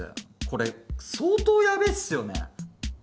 これ相当ヤベェっすよね？